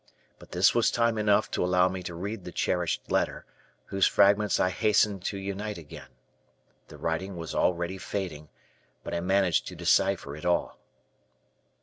But this was time enough to allow me to read the cherished letter, whose fragments I hastened to unite again. The writing was already fading, but I managed to decipher it all.